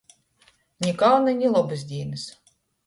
Ni kauna, ni lobys dīnys.